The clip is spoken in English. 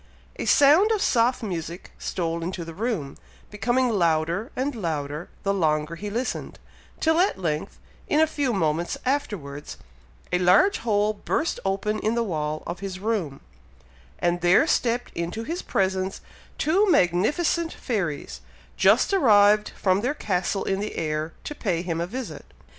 A sound of soft music stole into the room, becoming louder and louder the longer he listened, till at length, in a few moments afterwards, a large hole burst open in the wall of his room, and there stepped into his presence, two magnificent fairies, just arrived from their castle in the air, to pay him a visit.